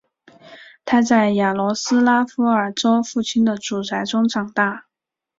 他在雅罗斯拉夫尔州父亲的祖宅中长大。